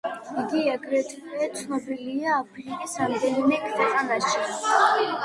იგი აგრეთვე ცნობილია აფრიკის რამდენიმე ქვეყანაში.